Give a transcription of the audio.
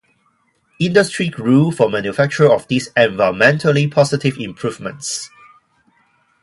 Industry grew for manufacture of these environmentally positive improvements.